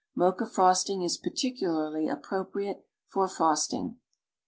Mocha frosting is particularly appropriate for frosting.